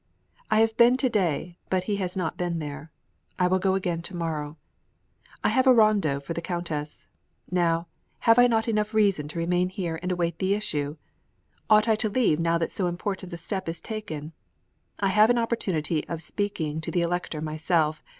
I have been to day, but he had not been there. I will go again to morrow. I have a rondo for the Countess. Now, have I not reason enough to remain here and await the issue? Ought I to leave now that so important a step is taken? I have an opportunity of speaking to the Elector myself.